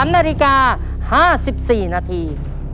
๓นาฬิกา๕๔นาที